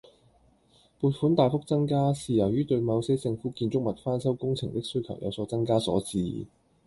撥款大幅增加，是由於對某些政府建築物翻修工程的需求有所增加所致